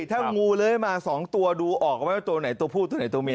ถ้างูเลื้อยมา๒ตัวดูออกไหมว่าตัวไหนตัวผู้ตัวไหนตัวเมีย